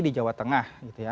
di jawa tengah